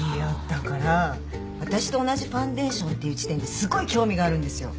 だから私と同じファンデーションっていう時点ですごい興味があるんですよ。